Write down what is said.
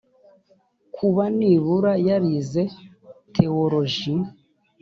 kuba nibura yarize theoloji